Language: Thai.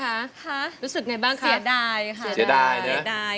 รู้สึกไงบ้างเสียดายค่ะเสียดายเสียดาย